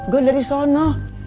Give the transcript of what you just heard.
gue dari sana